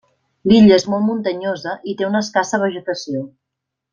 L'illa és molt muntanyosa i té una escassa vegetació.